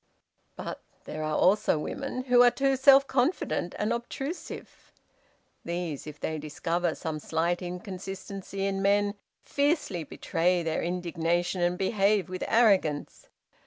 ' "But there are also women, who are too self confident and obtrusive. These, if they discover some slight inconsistency in men, fiercely betray their indignation and behave with arrogance.